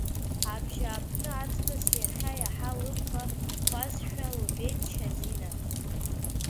Абжьааԥны аҵкыс иахьа иаҳа лыбӷа хәазшәа лбеит Шьазина.